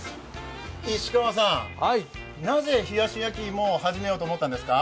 石川さん、なぜ冷やし焼き芋を始めようと思ったんですか？